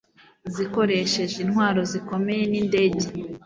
zikoresheje intwaro zikomeye n'indege